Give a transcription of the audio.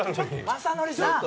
雅紀さん！